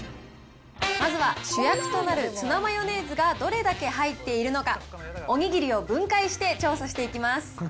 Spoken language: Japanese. まずは主役となるツナマヨネーズがどれだけ入っているのか、おにぎりを分解して調査していきます。